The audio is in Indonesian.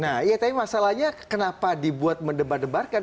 nah iya tapi masalahnya kenapa dibuat mendebar debarkan